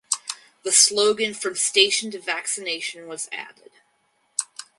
The slogan "from station to vaccination" was added.